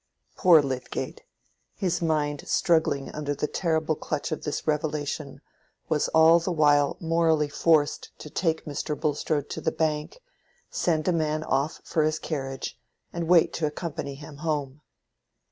Poor Lydgate, his mind struggling under the terrible clutch of this revelation, was all the while morally forced to take Mr. Bulstrode to the Bank, send a man off for his carriage, and wait to accompany him home.